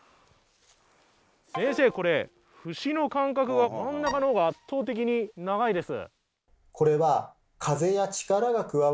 先生これ節の間隔が真ん中の方が圧倒的に長いです。